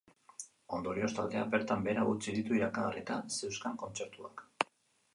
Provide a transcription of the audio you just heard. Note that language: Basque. Ondorioz, taldeak bertan behera utzi ditu iragarrita zeuzkan kontzertuak.